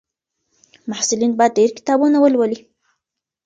محصلین باید ډېر کتابونه ولولي.